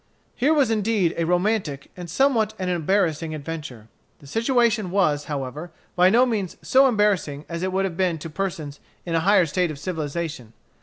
Here was indeed a romantic and somewhat an embarrassing adventure. The situation was, however, by no means so embarrassing as it would have been to persons in a higher state of civilization.